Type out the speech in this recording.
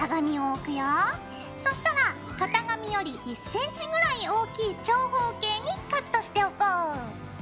そしたら型紙より１ｃｍぐらい大きい長方形にカットしておこう。